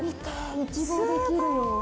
一望できるよ！